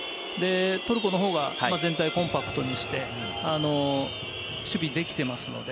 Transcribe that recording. トルコの方が全体をコンパクトにして、守備できていますよね。